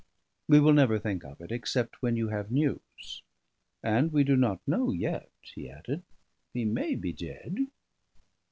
We will never think of it, except when you have news. And we do not know yet," he added; "he may be dead."